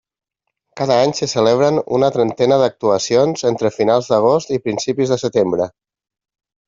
Cada any s'hi celebren una trentena d'actuacions entre finals d'agost i principis de setembre.